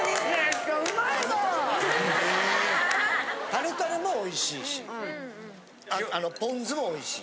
タルタルもおいしいしポン酢もおいしい。